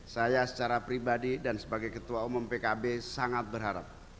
saya secara pribadi dan sebagai ketua umum pkb sangat berharap